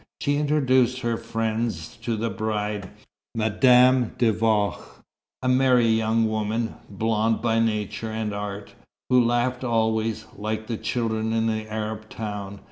She introduced her friends to the bride, Madame de Vaux, a merry young woman, blonde by nature and art, who laughed always, like the children in the Arab town.